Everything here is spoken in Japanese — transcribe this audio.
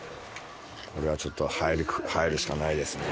これはちょっと入るしかないですね。